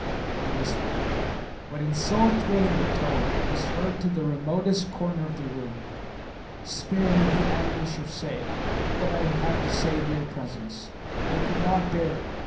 he whispered, but in so thrilling a tone it was heard to the remotest corner of the room. "Spare me the anguish of saying what I have to say in your presence. I could not bear it.